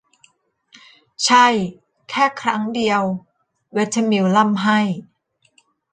ใช่ แค่ครั้งเดียว เวเธอมิลล์ร่ำไห้